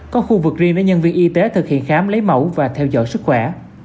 có khu vực riêng để nhân viên y tế thực hiện khám lấy mẫu và theo dõi sức khỏe